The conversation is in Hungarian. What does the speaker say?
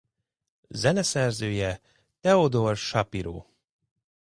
Zeneszerzője Theodore Shapiro.